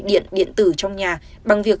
điện điện tử trong nhà bằng việc